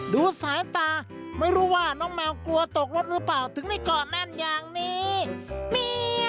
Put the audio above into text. ดูสายตาไม่รู้ว่าน้องแมวกลัวตกรถหรือเปล่าถึงได้ก่อแน่นอย่างนี้